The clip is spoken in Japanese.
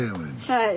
はい。